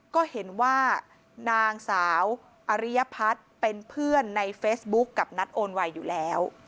ก็เห็นว่านางสาวอริยพัฒน์เป็นเพื่อนในเฟซบุ๊คกับนัทโอนไวอยู่แล้ว